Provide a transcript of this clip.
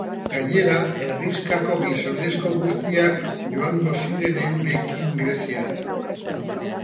Gainera, herrixkako gizonezko guztiak joango ziren eurekin Greziara.